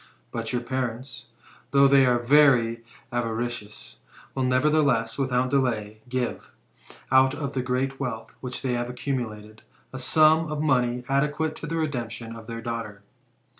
But your parents, though they are very avaricious, will nevertheless, without delay, give, out of the great wealth which they have accumulated, a sum of money adequate to the redemption of their daughter."